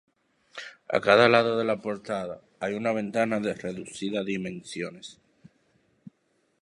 A cada lado de la portada hay una ventana de reducidas dimensiones.